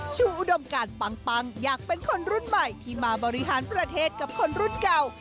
อุดมการปังอยากเป็นคนรุ่นใหม่ที่มาบริหารประเทศกับคนรุ่นเก่า